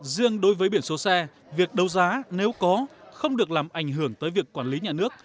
riêng đối với biển số xe việc đấu giá nếu có không được làm ảnh hưởng tới việc quản lý nhà nước